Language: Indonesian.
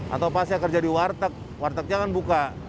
atau pas saya kerja di warteg wartegnya kan buka